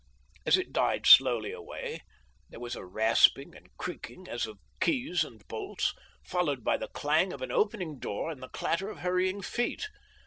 "As it died slowly away, there was a rasping and creaking as of keys and bolts, followed by the clang of an opening door and the clatter of hurrying feet.